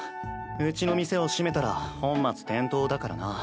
うちの店を閉めたら本末転倒だからな。